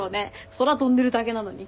空飛んでるだけなのに。